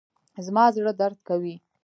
زما زړه درد کوي